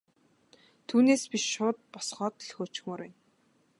Түүнээс биш шууд босгоод л хөөчихмөөр байна.